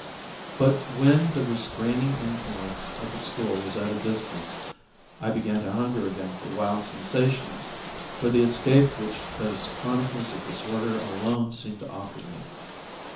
But when the restraining influence of the school was at a distance I began to hunger again for wild sensations, for the escape which those chronicles of disorder alone seemed to offer me.